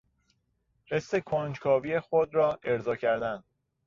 حس کنجکاوی خود را ارضا کردن